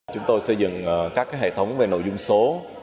chúng tôi xây dựng các hệ thống về nội dung số